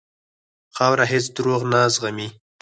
خاوره هېڅ دروغ نه زغمي.